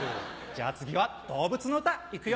じゃあ次は動物の歌いくよ。